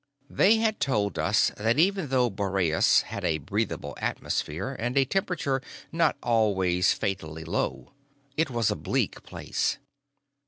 They had told us that even though Boreas had a breathable atmosphere and a temperature not always fatally low, it was a bleak place.